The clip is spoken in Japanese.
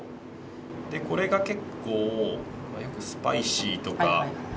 これが結構スパイシーとか。